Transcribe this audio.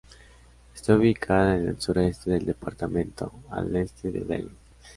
Está ubicada en el sureste del departamento, al este de Belley.